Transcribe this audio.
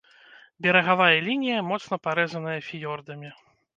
Берагавая лінія моцна парэзаная фіёрдамі.